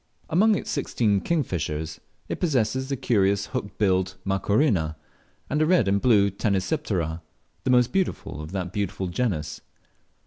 Among its sixteen kingfishers, it possesses the carious hook billed Macrorhina, and a red and blue Tanysiptera, the most beautiful of that beautiful genus.